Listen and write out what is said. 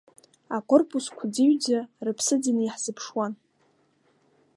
Акорпусқәа ӡыҩӡа, рыԥсы ӡаны иаҳзыԥшуан.